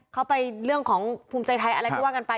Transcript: ไปเรื่องของภูมิใจไทยอะไรก็ว่ากันไป